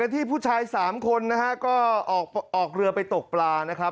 ที่ผู้ชาย๓คนนะฮะก็ออกเรือไปตกปลานะครับ